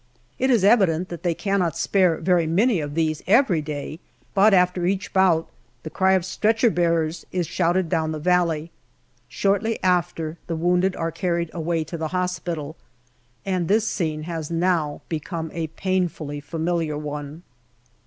It is evident that they cannot spare very many of these every day, but after each bout the cry of " Stretcher bearers !" is shouted down the valley. Shortly after, the wounded are carried away to the hospital, and this scene has now become a painfully familiar one.